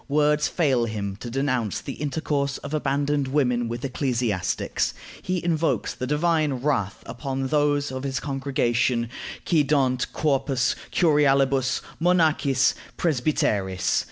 Words fail him to denounce the intercourse of abandoned women with ecclesiastics; he invokes the divine wrath upon those of his congregation quæ dant corpus curialibus, monachis, presbyteris.